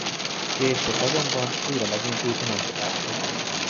Később azonban újra megindult a nyomtatása.